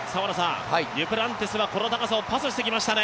デュプランティスはこの高さをパスしてきましたね。